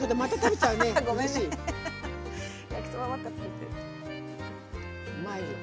うまいよ。